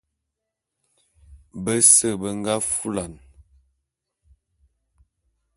Bese be nga fulan.